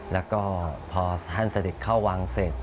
แล้วก็พอท่านเสด็จเข้าวังเสร็จ